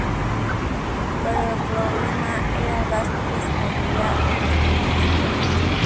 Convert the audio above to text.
Pero el problema era el gasto que supondría el mantenimiento.